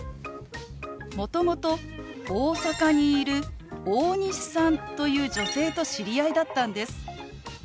もともと大阪にいる大西さんという女性と知り合いだったんです。